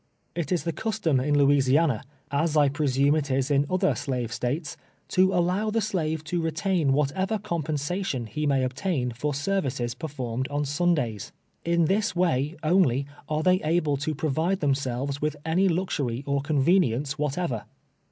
It is the custom in Louisiana, as I presume it is in other slave States, to allow the slave to retain what ever compensation he may obtain for services per formed on Sundays. In this way, only, are they able to provide themselves with any luxury or conveni ence whatever.